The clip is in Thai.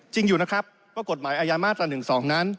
จริงอยู่นะครับกว่ากฎหมายอัยธรรมน์๑๒นั้น